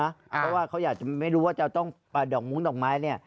เพราะว่าเขาอยากจะไม่รู้ว่าจะต้องดอกมุ้งดอกไม้เนี่ย